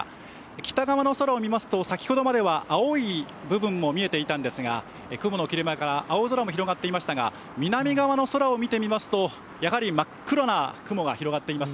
北側の空を見ますと、先ほどまでは青い部分も見えていたんですが、雲の切れ間から青空も広がっていましたが、南側の空を見てみますと、やはり真っ黒な雲が広がっています。